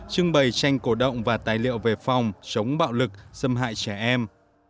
trưng bày tranh cổ động và tài liệu về phòng chống bạo lực xâm hại trẻ em